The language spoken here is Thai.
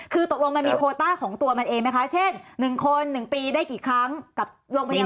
คือตกลงมันมีโคต้าของตัวมันเองไหมคะเช่น๑คน๑ปีได้กี่ครั้งกับโรงพยาบาล